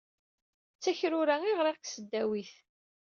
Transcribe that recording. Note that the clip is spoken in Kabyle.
D takrura ay ɣriɣ deg tesdawit.